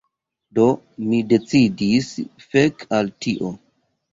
Do, mi decidis fek' al tio